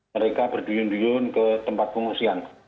mereka berduyun duyun ke tempat pengungsian